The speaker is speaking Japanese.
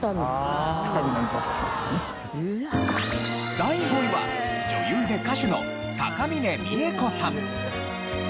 第５位は女優で歌手の高峰三枝子さん。